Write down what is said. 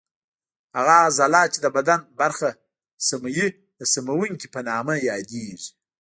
هغه عضله چې د بدن برخه سموي د سموونکې په نامه یادېږي.